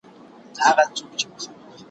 ته به د ډير عزت او مقام خاوند سې.